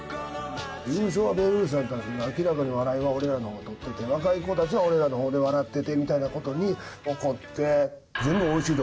優勝はベイブルースやったんですけど明らかに笑いは俺らの方がとってて若い子たちは俺らの方で笑っててみたいな事に怒って。